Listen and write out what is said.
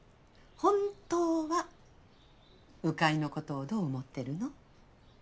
本当は鵜飼いのことをどう思ってるの？